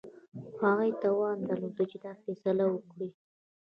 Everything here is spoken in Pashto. هغوی توان درلود چې دا فیصله وکړي.